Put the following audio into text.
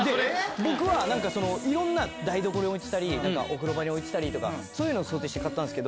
僕はいろんな台所に置いてたりお風呂場に置いてたりとかそういうのを想定して買ったんですけど。